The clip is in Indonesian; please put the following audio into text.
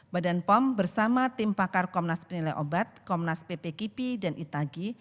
badan pom bersama tim pakar komnas penilai obat komnas pp kipi dan itagi